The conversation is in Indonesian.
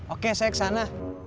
oke saya kesana